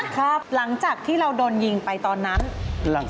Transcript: ครับหลังจากที่เราโดนยิงไปตอนนั้น